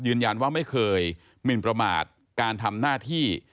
ยืนยันว่าไม่เคยหมินประมาณการทำหน้าที่